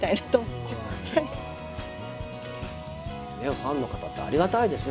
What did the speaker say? ファンの方ってありがたいですね